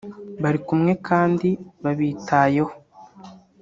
bari kumwe kandi babitayeho